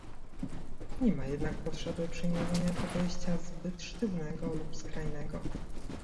Nie ma jednak potrzeby przyjmowania podejścia zbyt sztywnego lub skrajnego